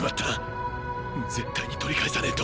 絶対に取り返さねぇと！